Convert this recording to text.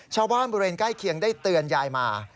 บริเวณใกล้เคียงได้เตือนยายมา